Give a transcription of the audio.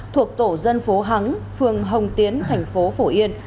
thuộc tổ dân phố háng phường hồng tiến thành phố phổ yên